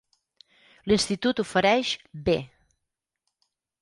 L'institut ofereix B.